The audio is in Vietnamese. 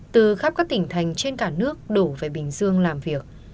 từ khắp các tỉnh thành trên cả nước đổ về bình dương làm việc